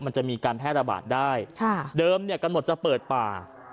มันจะมีการแพร่ระบาดได้ค่ะเดิมเนี่ยกำหนดจะเปิดป่า